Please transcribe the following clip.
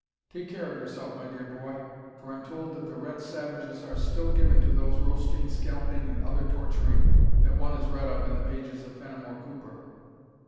Take care of yourself, my dear boy, for I'm told that the red savages are still given to those roasting, scalping, and other torturing that one has read of in the pages of Fenimore Cooper.